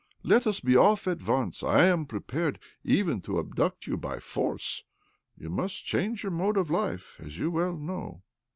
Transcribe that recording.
Let us be off at once. I am prepared even to abduct you by force. You mast change your mode of life, as you well know."